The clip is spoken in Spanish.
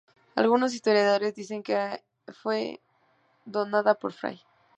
Algunos historiadores dicen que fue donada por fray.